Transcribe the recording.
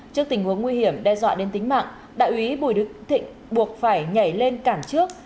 trước tình huống nguy hiểm đe dọa đến tính mạng đại úy bùi đức thịnh buộc phải nhảy lên cản trước